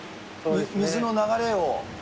水の流れを。